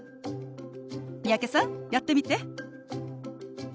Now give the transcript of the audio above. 三宅さんやってみて。